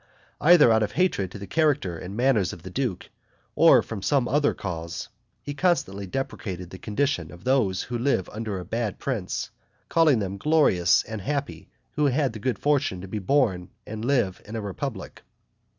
Either out of hatred to the character and manners of the duke, or from some other cause, he constantly deprecated the condition of those who live under a bad prince; calling those glorious and happy who had the good fortune to be born and live in a republic.